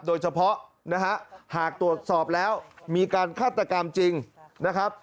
โดยเฉพาะนะฮะหากตรวจสอบแล้วมีการฆาตกรรมจริงนะครับ